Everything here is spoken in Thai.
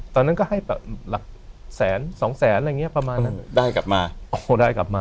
ตอนนั้นก็ให้แบบ